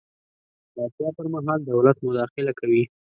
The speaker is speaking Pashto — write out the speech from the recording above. د اړتیا پر مهال دولت مداخله کوي.